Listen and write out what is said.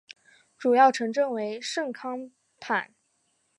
主要城镇为圣康坦。